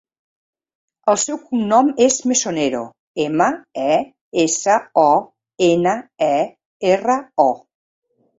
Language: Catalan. El seu cognom és Mesonero: ema, e, essa, o, ena, e, erra, o.